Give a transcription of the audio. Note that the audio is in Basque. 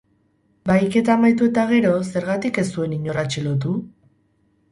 Bahiketa amaitu eta gero, zergatik ez zuten inor atxilotu?